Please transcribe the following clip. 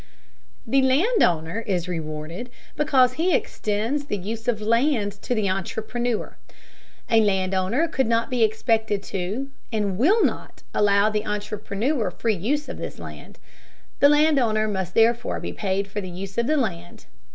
The land owner is rewarded because he extends the use of land to the entrepreneur. A land owner could not be expected to, and will not, allow the entrepreneur free use of this land. The land owner must therefore be paid for the use of the land.